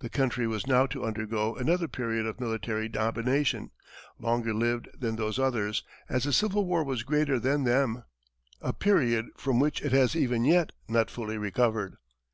The country was now to undergo another period of military domination, longer lived than those others, as the Civil War was greater than them a period from which it has even yet not fully recovered.